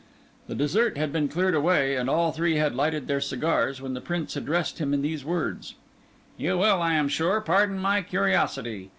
The dessert had been cleared away, and all three had lighted their cigars, when the Prince addressed him in these words:— "You will, I am sure, pardon my curiosity.